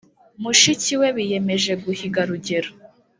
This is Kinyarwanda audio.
mushikiwe biyemeje guhiga rugero